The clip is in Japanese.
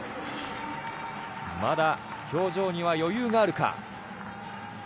まだ表情には余裕があるか。